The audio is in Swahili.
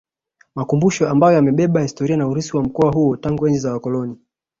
Makumbusho ambayo yamebeba historia na urithi wa mkoa huo tangu enzi za wakoloni